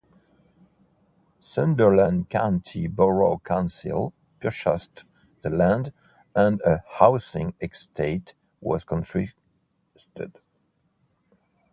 Sunderland County Borough Council purchased the land and a housing estate was constructed.